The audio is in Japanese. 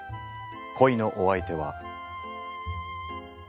恋のお相手は。